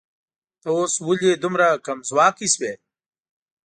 ته اوس ولې دومره کمځواکی شوې